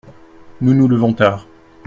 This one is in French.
Nous nous levons tard…